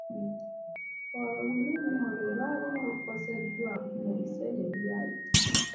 Olulimi olwo lwali lukozeseddwako mu biseera ebyayita.